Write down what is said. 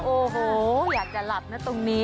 โอ้โหอยากจะหลับนะตรงนี้